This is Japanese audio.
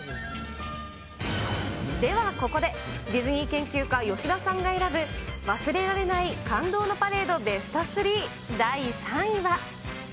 ではここで、ディズニー研究家、吉田さんが選ぶ、忘れられない感動のパレードベスト３、第３位は。